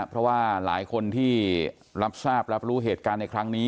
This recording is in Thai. เพราะว่าหลายคนที่รับทราบรับรู้เหตุการณ์ในครั้งนี้